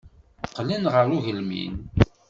Qqlen ɣer ugelmim.